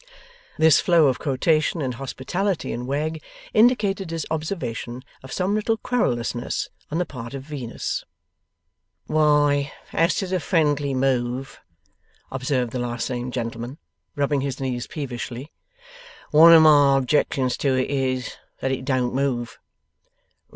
This flow of quotation and hospitality in Wegg indicated his observation of some little querulousness on the part of Venus. 'Why, as to the friendly move,' observed the last named gentleman, rubbing his knees peevishly, 'one of my objections to it is, that it DON'T move.